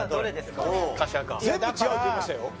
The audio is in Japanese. かしわか全部違うって言いましたよ